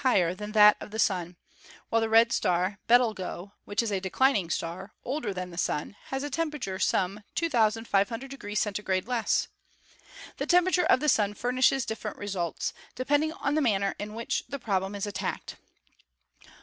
higher than that of the Sun, while the red star, Betelgeux, which is a declining star, older than the Sun, has a temperature some 2,500° C. less. The temperature of the Sun furnishes different results, de pending on the manner in which the problem is attacked.